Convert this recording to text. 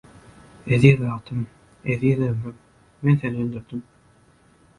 Eziz wagtym, eziz ömrüm, men seni öldürdim.